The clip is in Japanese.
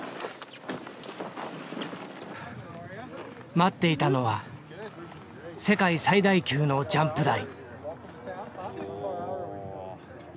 待っていたのは世界最大級のジャンプ台。